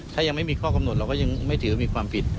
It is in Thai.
ถ้ายังไม่มีข้อกำหนดเราก็ยังไม่ถือว่ามีความผิด